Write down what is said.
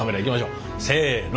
せの。